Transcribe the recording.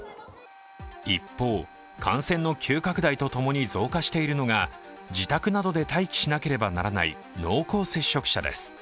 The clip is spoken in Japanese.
一方、感染の急拡大とともに増加しているのが自宅などで待機しなければならない濃厚接触者です。